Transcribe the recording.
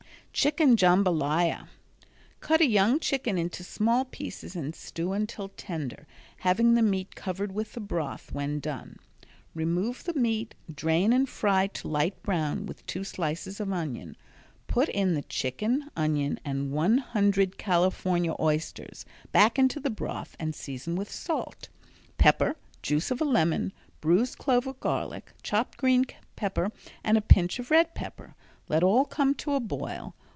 Chicken Jambalaya Cut a young chicken into small pieces and stew until tender, having the meat covered with the broth when done. Remove the meat, drain and fry to light brown with two slices of onion. Put in the chicken, onion, and one hundred California oysters, back into the broth and season with salt, pepper, juice of a lemon, bruised clove of garlic, chopped green pepper, and a pinch of red pepper. Let all come to a boil.